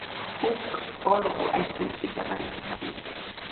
Huk urqu allquykita rantikamay.